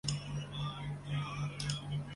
京都市巴士在京都市内交通中占有重要位置。